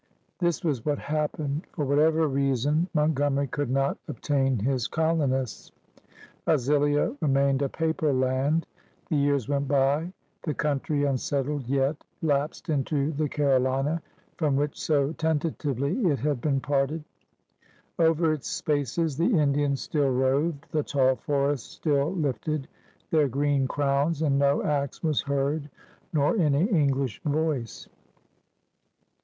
This was what happened. For whatever reason, Mountgomery could not obtain his colonists. Az ilia remained a paper land. The years went by. The country, imsettled yet, lapsed into the Caro lina from which so tentatively it had been parted. Over its spaces the Indian still roved, the tall forests still lifted their green crowns, and no axe was heard nor any English voice.